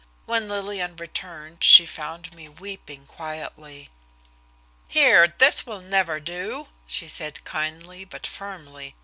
When Lillian returned she found me weeping quietly. "Here, this will never do!" she said kindly, but firmly.